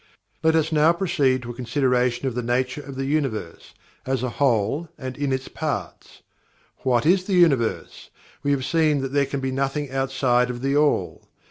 Let us now proceed to a consideration of the nature of the Universe, as a whole and in its parts. What is the Universe? We have seen that there can be nothing outside of THE ALL.